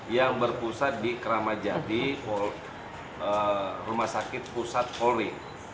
yang berpusat di keramat jati rumah sakit pusat pauli